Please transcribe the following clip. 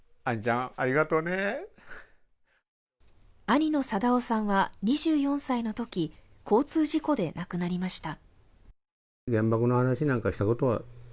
兄の定男さんは２４歳のとき、交通事故で亡くなりました。